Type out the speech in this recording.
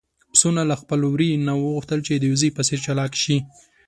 پسونو له خپل وري نه وغوښتل چې د وزې په څېر چالاک شي.